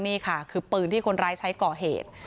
นี่ค่ะคือปืนที่คนร้ายใช้ก่อเหตุ